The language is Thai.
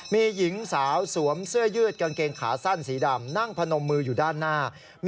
มีหญิงสาวสวมเสื้อยืดกางเกงขาสั้นสีดำนั่งพนมมืออยู่ด้านหน้า